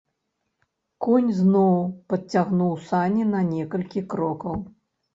Конь зноў падцягнуў сані на некалькі крокаў.